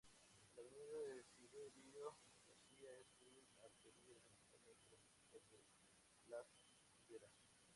La avenida Desiderio García es una arteria de conexión dentro del sector Las Higueras.